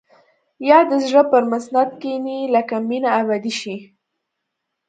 يا د زړه پر مسند کښيني لکه مينه ابدي شي.